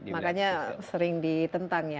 makanya sering ditentang ya